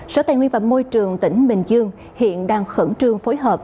sở tài nguyên và môi trường tỉnh bình dương hiện đang khẩn trương phối hợp